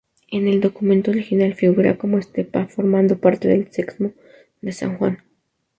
En el documento original figura como Estepa, formando parte del Sexmo de San Juan.